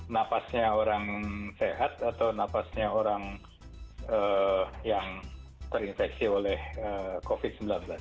napasnya orang sehat atau nafasnya orang yang terinfeksi oleh covid sembilan belas